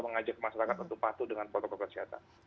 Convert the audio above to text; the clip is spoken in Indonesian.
mengajak masyarakat untuk patuh dengan protokol kesehatan